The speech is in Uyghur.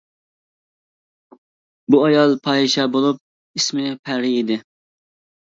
بۇ ئايال پاھىشە بولۇپ، ئىسمى پەرى ئىدى.